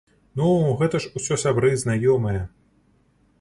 Ну, гэта ж усё сябры-знаёмыя!